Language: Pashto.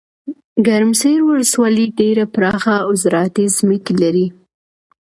ګرمسیرولسوالۍ ډیره پراخه اوزراعتي ځمکي لري.